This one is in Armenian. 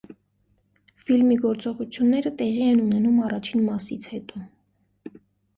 Ֆիլմի գործողությունները տեղի են ունենում առաջին մասից հետո։